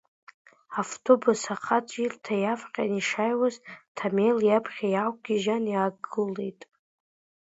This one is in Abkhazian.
Автобус ахаҵәирҭа иаавҟьан, ишааиуаз, Ҭамел иаԥхьа иаақәгьежьны иаагылеит.